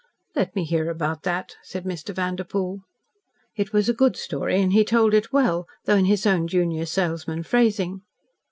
"Let me hear about that," said Mr. Vanderpoel. It was a good story, and he told it well, though in his own junior salesman phrasing.